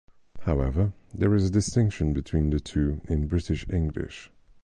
However, there is a distinction between the two in British English.